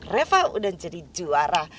reva sudah jadi juara